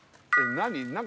何？